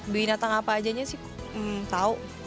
binatang apa ajanya sih tahu